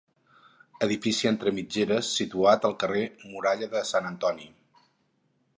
Edifici entre mitgeres situat al carrer Muralla de Sant Antoni.